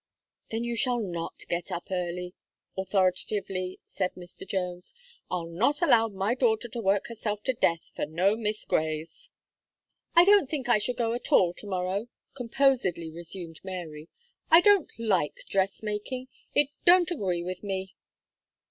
"Then you shall not get up early," authoritatively said Mr. Jones. "I'll not allow my daughter to work herself to death for no Miss Grays." "I don't think I shall go at all to morrow," composedly resumed Mary. "I don't like dress making it don't agree with me."